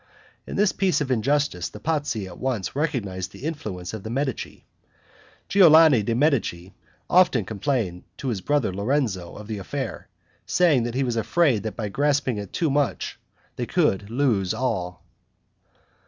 In this piece of injustice the Pazzi at once recognized the influence of the Medici. Giuliano de' Medici often complained to his brother Lorenzo of the affair, saying he was afraid that by grasping at too much they would lose all.